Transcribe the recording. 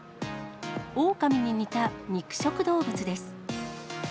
オオカミに似た肉食動物です。